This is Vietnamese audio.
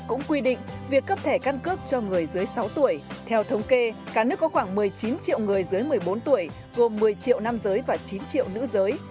cũng quy định việc cấp thẻ căn cước cho người dưới sáu tuổi theo thống kê cả nước có khoảng một mươi chín triệu người dưới một mươi bốn tuổi gồm một mươi triệu nam giới và chín triệu nữ giới